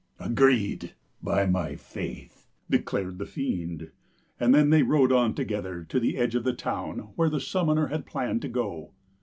"Agreed, by my faith," declared the fiend; and then they rode on together to the edge of the town where the summoner had planned to go.